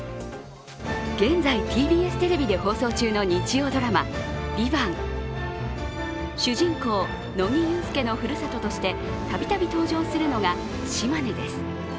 現在、ＴＢＳテレビで放送中の日曜劇場「ＶＩＶＡＮＴ」。主人公、乃木憂助のふるさととしてたびたび登場するのが島根です。